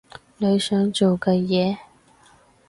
你想做嘅嘢？